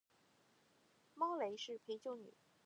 猫雷是陪酒女